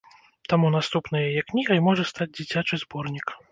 Таму наступнай яе кнігай можа стаць дзіцячы зборнік.